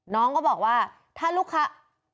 น้องก็บอกว่าถ้าลูกค้า